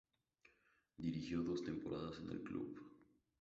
Dirigió dos temporadas en el club.